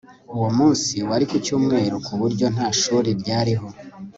Uwo munsi wari ku cyumweru ku buryo nta shuri ryariho